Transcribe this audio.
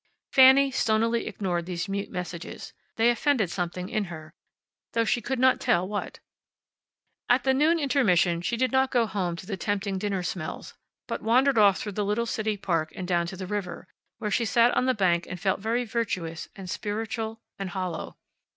Fanny stonily ignored these mute messages. They offended something in her, though she could not tell what. At the noon intermission she did not go home to the tempting dinner smells, but wandered off through the little city park and down to the river, where she sat on the bank and felt very virtuous, and spiritual, and hollow.